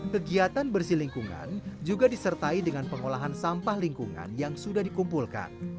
kegiatan bersih lingkungan juga disertai dengan pengolahan sampah lingkungan yang sudah dikumpulkan